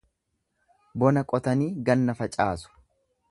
Bona qotanii ganna facaasu.